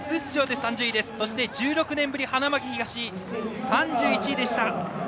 そして１６年ぶりの花巻東は３１位。